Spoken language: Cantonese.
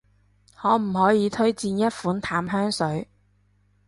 可唔可以推薦一款淡香水？